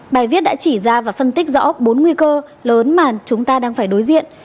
bài viết đã chỉ ra và phân tích rõ bốn nguy cơ lớn mà chúng ta đang phải đối diện